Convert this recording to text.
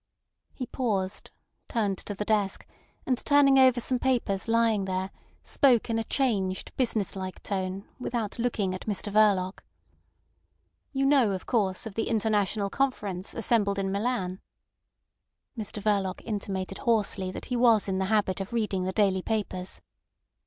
He paused, turned to the desk, and turning over some papers lying there, spoke in a changed business like tone, without looking at Mr Verloc. "You know, of course, of the International Conference assembled in Milan?" Mr Verloc intimated hoarsely that he was in the habit of reading the daily papers.